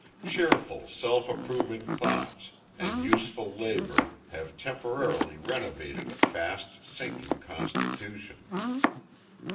Cheerful, self approving thoughts, and useful labor, have temporarily renovated a fast sinking constitution.